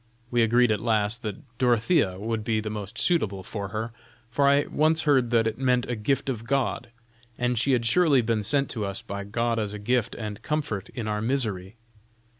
We agreed at last that Dorothea would be the most suitable for her, for I once heard that it meant a gift of God, and she had surely been sent to us by God as a gift and comfort in our misery.